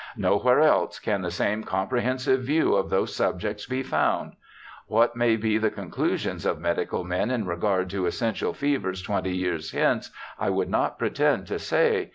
Nowhere else can the same comprehensive view of those subjects be found. What may be the conclusions of medical men in regard to essential fevers twenty years hence I would not pretend to say.